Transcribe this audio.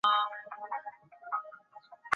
好孩子请不要模仿